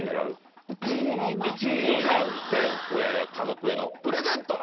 １位を狙って親や家族へのプレゼント。